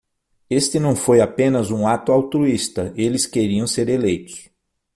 Este não foi apenas um ato altruísta, eles queriam ser eleitos.